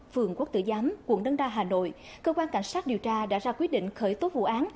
vườn quốc tử giám quận đân đa hà nội cơ quan cảnh sát điều tra đã ra quyết định khởi tốt vụ án